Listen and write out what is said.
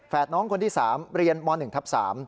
น้องคนที่๓เรียนม๑ทับ๓